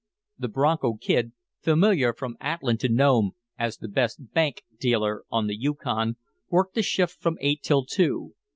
The "Bronco Kid," familiar from Atlin to Nome as the best "bank" dealer on the Yukon, worked the shift from eight till two.